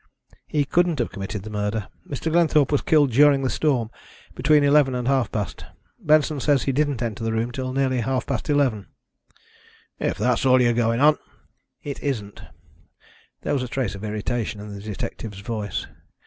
"He couldn't have committed the murder. Mr. Glenthorpe was killed during the storm, between eleven and half past. Benson says he didn't enter the room till nearly half past eleven." "If that's all you're going on " "It isn't." There was a trace of irritation in the detective's voice.